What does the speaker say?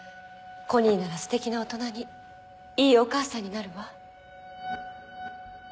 コニーならすてきな大人にいいお母さんになるわ。